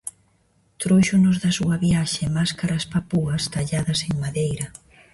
Tróuxonos da súa viaxe máscaras papúas talladas en madeira.